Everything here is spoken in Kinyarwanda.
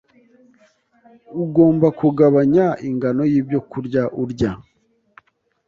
Ugomba kugabanya ingano yibyo kurya urya.